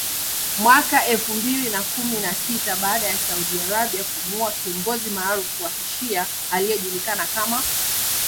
mwaka elfu mbili na kumi na sita , baada ya Saudi Arabia kumuua kiongozi maarufu wa kishia, aliyejulikana kama Nimr al-Nimr